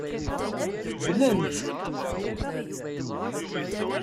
Dlen-t.